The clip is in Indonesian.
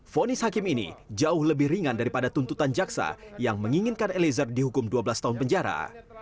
fonis hakim ini jauh lebih ringan daripada tuntutan jaksa yang menginginkan eliezer dihukum dua belas tahun penjara